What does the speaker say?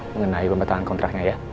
mengenai pembetulan kontraknya ya